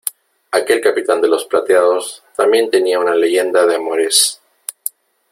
aquel capitán de los plateados también tenía una leyenda de amores .